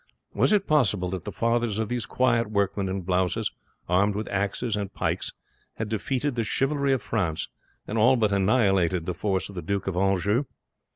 Was it possible that the fathers of these quiet workmen in blouses, armed with axes and pikes, had defeated the chivalry of France, and all but annihilated the force of the Duke of Anjou?